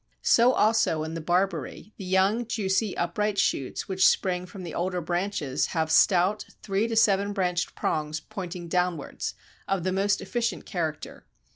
So also in the Barberry, the young juicy upright shoots which spring from the older branches have stout three to seven branched prongs pointing downwards, of the most efficient character.